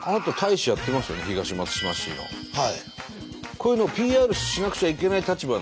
こういうのをＰＲしなくちゃいけない立場なんですよね？